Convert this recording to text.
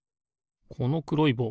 このくろいぼう